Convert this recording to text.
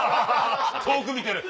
遠く見てる！